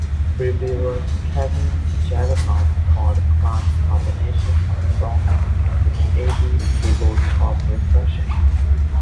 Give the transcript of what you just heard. Reviewer Kevin Jagernauth called Clark's combination of rock with eighties keyboard pop refreshing.